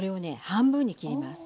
半分に切ります。